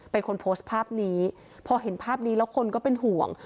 เป็นคนโพสต์ภาพนี้พอเห็นภาพนี้แล้วคนก็เป็นห่วง